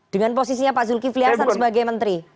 dengan posisinya pak zulkifli hasan sebagai menteri